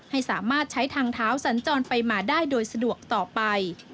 ให้สามารถใช้ทางเท้าสัญจรไปมาได้โดยสะดวกต่อไป